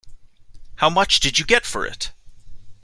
How much did you get for it?